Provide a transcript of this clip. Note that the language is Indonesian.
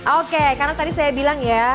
oke karena tadi saya bilang ya